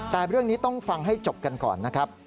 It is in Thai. แต่เรื่องนี้ต้องฟังให้จบกันก่อนนะครับ